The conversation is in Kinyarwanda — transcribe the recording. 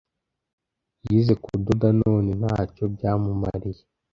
yize kudoda none ntacyo byamumariye